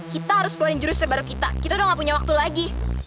kita harus keluarin jurus terbaru kita kita udah gak punya waktu lagi